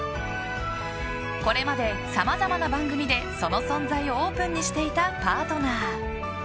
これまでさまざまな番組でその存在をオープンにしていたパートナー。